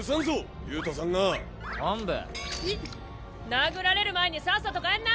殴られる前にさっさと帰んな！